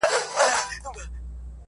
o سل په لالي پوري، دا يو ئې د بنگړو.